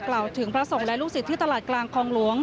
กล่าวถึงพระสงฆ์และลูกศิษย์ที่ตลาดกลางคลองหลวง